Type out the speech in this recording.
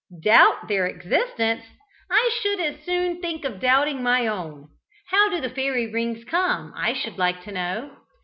Doubt their existence! I should as soon think of doubting my own! How do the fairy rings come, I should like to know?